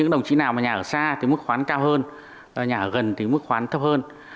đồng chí nào mà nhà ở xa cái mức khoán cao hơn nhà ở gần thì mức khoán thấp hơn